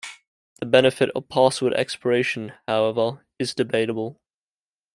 The benefit of password expiration, however, is debatable.